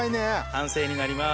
完成になります。